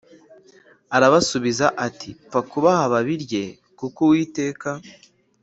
aramusubiza ati Pfa kubaha babirye kuko Uwiteka